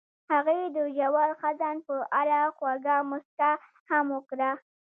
هغې د ژور خزان په اړه خوږه موسکا هم وکړه.